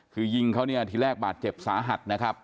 คือยิงเขาเนี่ยทีแรกบาดเจ็บสาหัสนะครับ